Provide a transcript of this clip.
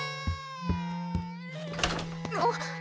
あっ。